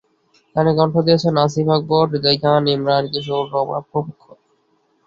গানে কণ্ঠ দিয়েছেন আসিফ আকবর, হৃদয় খান, ইমরান, কিশোর, রমা প্রমুখ।